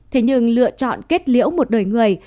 thế nhưng lựa chọn kết liễu một đời người